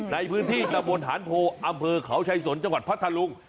ในพื้นที่ตะบนหานโพอำเภอเขาชายสนจังหวัดพัทธลุง